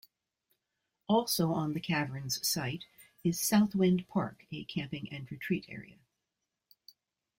Also on the cavern's site is "Southwind Park", a camping and retreat area.